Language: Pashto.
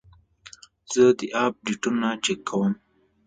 زه د اپ ډیټونه چک کوم.